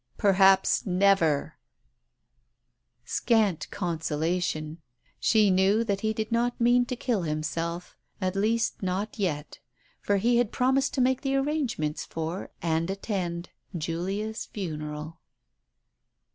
" Perhaps never !" Scant consolation ! She knew that he did not mean to kill himself — at least not yet, for he had promised to make the arrangements for and attend Julia's funeral.